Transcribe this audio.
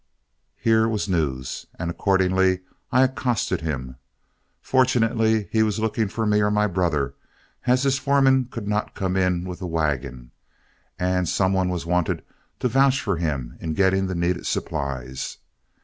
Here was news, and accordingly I accosted him. Fortunately he was looking for me or my brother, as his foreman could not come in with the wagon, and some one was wanted to vouch for him in getting the needed supplies.